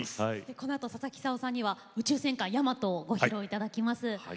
このあとささきいさおさんには「宇宙戦艦ヤマト」をご披露頂きます。